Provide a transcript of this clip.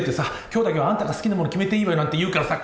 今日だけはあんたが好きなもの決めていいわよなんて言うからさ